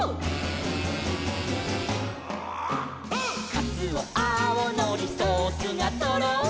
「かつおあおのりソースがとろり」